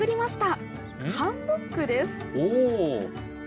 ハンモックですお！